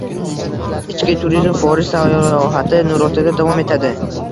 Ichki turizm: Forish sayohati Nurotada davom etadi